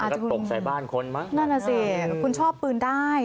ก็ตกใส่บ้านคนมั้งนั่นน่ะสิคุณชอบปืนได้